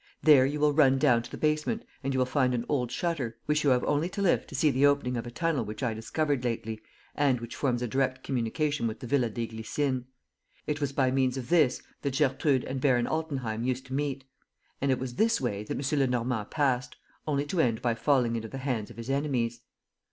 There you will run down to the basement and you will find an old shutter, which you have only to lift to see the opening of a tunnel which I discovered lately and which forms a direct communication with the Villa des Glycines. It was by means of this that Gertrude and Baron Altenheim used to meet. And it was this way that M. Lenormand passed, only to end by falling into the hands of his enemies."